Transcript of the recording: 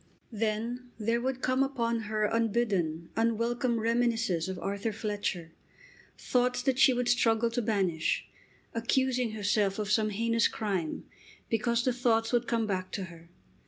Then there would come upon her unbidden, unwelcome reminiscences of Arthur Fletcher, thoughts that she would struggle to banish, accusing herself of some heinous crime because the thoughts would come back to her.